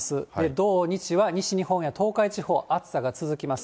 土、日は西日本や東海地方、暑さが続きます。